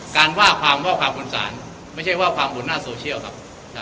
ว่าความว่าความบนศาลไม่ใช่ว่าความบนหน้าโซเชียลครับ